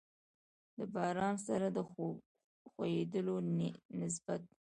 د باران سره د خوييدلو نسبت